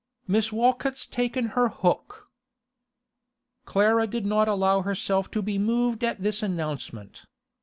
Miss Walcott's taken her hook!' Clara did not allow herself to be moved at this announcement.